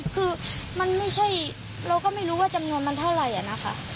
คือมันไม่ใช่เราก็ไม่รู้ว่าจำนวนมันเท่าไหร่นะคะ